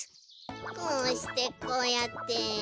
こうしてこうやって。